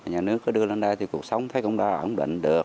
nhà nước có đưa lên đây thì cuộc sống thấy cũng đã ổn định được